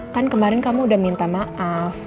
kan kemarin kamu udah minta maaf